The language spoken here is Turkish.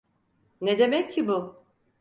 Ne demek ki bu?